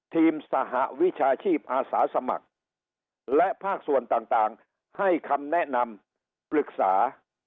สหวิชาชีพอาสาสมัครและภาคส่วนต่างให้คำแนะนำปรึกษา